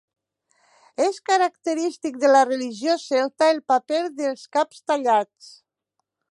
És característic de la religió celta el paper dels caps tallats.